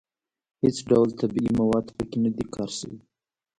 هېڅ ډول طبیعي مواد په کې نه دي کار شوي.